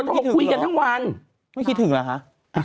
ไม่คิดถึงเหรอคะ